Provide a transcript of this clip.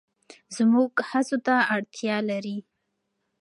زموږ هڅو ته اړتیا لري.